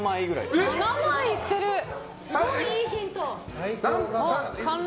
すごい、いいヒント。